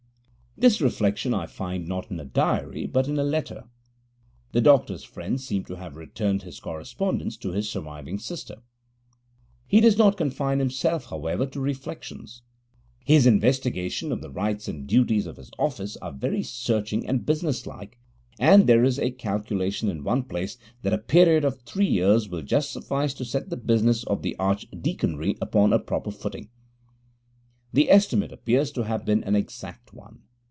This reflection I find, not in a diary, but a letter; the doctor's friends seem to have returned his correspondence to his surviving sister. He does not confine himself, however, to reflections. His investigation of the rights and duties of his office are very searching and business like, and there is a calculation in one place that a period of three years will just suffice to set the business of the Archdeaconry upon a proper footing. The estimate appears to have been an exact one.